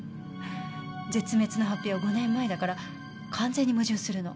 絶滅の発表は５年前だから完全に矛盾するの。